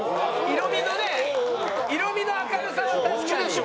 色味のね色味の明るさは確かに。